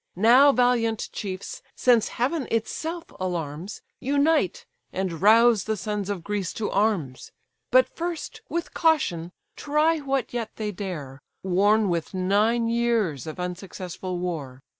Now, valiant chiefs! since heaven itself alarms, Unite, and rouse the sons of Greece to arms. But first, with caution, try what yet they dare, Worn with nine years of unsuccessful war.